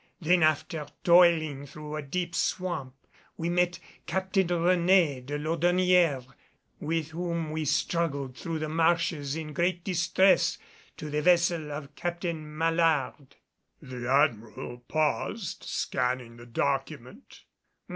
Then after toiling through a deep swamp we met Captain Réné de Laudonnière, with whom we struggled through the marshes in great distress to the vessel of Captain Mallard." The Admiral paused, scanning the document.